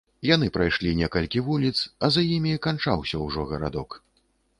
Яны прайшлі некалькі вуліц, а за імі канчаўся ўжо гарадок.